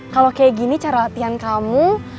kalau kayak gini cara latihan kamu